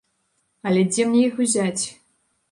Але дзе мне іх узяць?